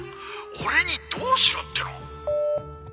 「俺にどうしろっての！？」